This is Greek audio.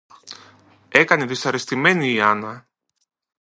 έκανε δυσαρεστημένη η Άννα